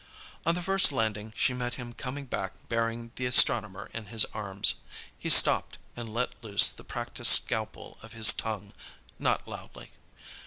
On the first landing she met him coming back bearing the astronomer in his arms. He stopped and let loose the practised scalpel of his tongue, not loudly.